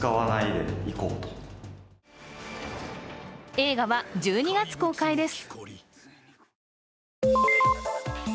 映画は１２月公開です。